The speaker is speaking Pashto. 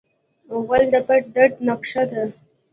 غول د پټ درد نقشه ده.